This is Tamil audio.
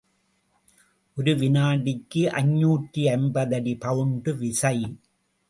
ஒரு வினாடிக்கு ஐநூற்று ஐம்பது அடி பவுண்டு விசை.